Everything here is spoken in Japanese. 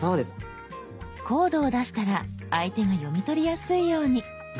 コードを出したら相手が読み取りやすいように。